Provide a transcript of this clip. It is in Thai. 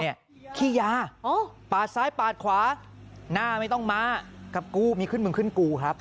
ขี้ยาปาดซ้ายปาดขวาหน้าไม่ต้องมากับกูมีขึ้นมึงขึ้นกูครับ